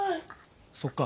そっか。